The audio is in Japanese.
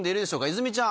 泉ちゃん。